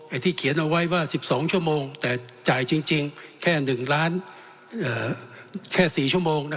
ที่เขียนเอาไว้ว่า๑๒ชั่วโมงแต่จ่ายจริงแค่๑ล้านแค่๔ชั่วโมง